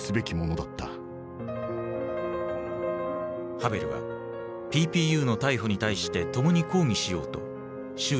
ハヴェルはＰＰＵの逮捕に対して共に抗議しようと周囲に説いて回った。